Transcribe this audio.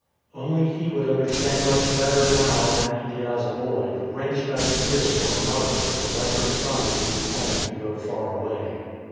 Only he would understand much better now than he did as a boy the wrench that it is for a mother to let her son leave home to go far away.